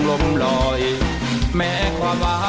เอาไว้กันเลยค่ะเอาไว้กันเลยค่ะ